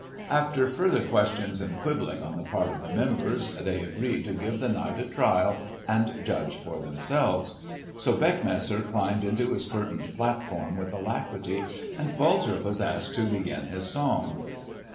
After further questions and quibbling on the part of the members, they agreed to give the knight a trial and judge for themselves. So Beckmesser climbed into his curtained platform with alacrity, and Walter was asked to begin his song.